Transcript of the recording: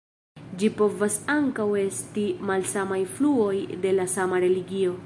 Ĝi povas ankaŭ esti malsamaj fluoj de la sama religio.